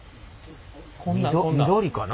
緑かな？